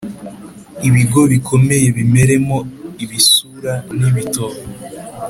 ibigo bikomeye bimeremo ibisura n’ibitovu,